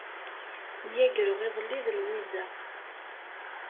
Myagreɣ iḍelli d Lwiza.